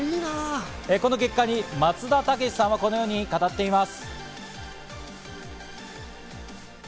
この結果に松田丈志さんはこのように語っています。